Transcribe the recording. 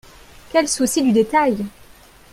Quel souci du détail